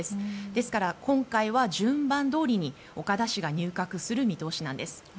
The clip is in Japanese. ですから今回は順番どおりに岡田氏が入閣する見通しです。